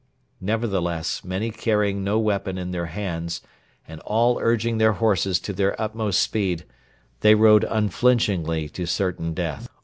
Nevertheless, many carrying no weapon in their hands, and all urging their horses to their utmost speed, they rode unflinchingly to certain death.